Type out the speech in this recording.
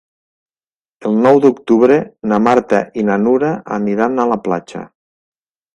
El nou d'octubre na Marta i na Nura aniran a la platja.